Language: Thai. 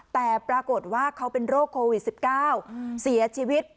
แต่ปรากฏว่าเขาเป็นโรคโควิด๑๙เสียชีวิต